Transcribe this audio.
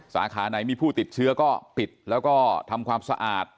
สาขาไหนมีผู้ติดเชื้อก็ปิดแล้วก็ทำความสะอาด